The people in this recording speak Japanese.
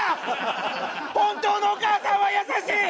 本当のお母さんは優しい！